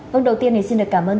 vâng đầu tiên thì xin được cảm ơn